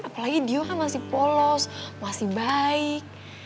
apalagi dia kan masih polos masih baik